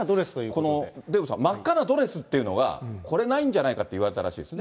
このデーブさん、真っ赤なドレスっていうのは、これ、ないんじゃないかといわれたらしいですね。